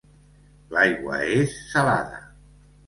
L'aigua és salada.